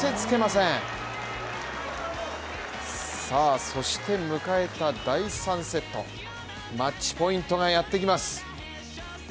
さあそして迎えた第３セット、マッチポイントがやってきます。